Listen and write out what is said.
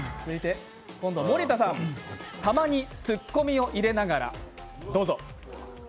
森田さん、たまにツッコミを入れながら、どうぞ。